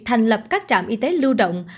thành lập các trạm y tế lưu động